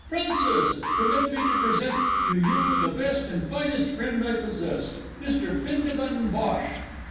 Princess, permit me to present to you the best and finest friend I possess, Mr Bindabun Bhosh."